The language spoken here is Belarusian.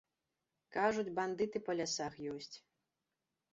Кажуць, бандыты па лясах ёсць.